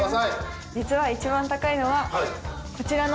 実は一番高いのはこちらの。